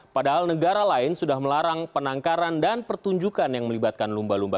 padahal negara lain sudah melarang penangkaran dan pertunjukan yang melibatkan lumba lumba